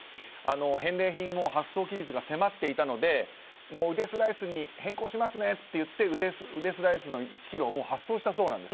返礼品の発送期日が迫っていたのでウデスライスに変更しますねといってウデスライスの１ｋｇを発送したそうなんです。